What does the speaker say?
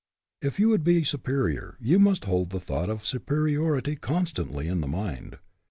If you would be superior, you must hold the thought of superiority constantly in the mind.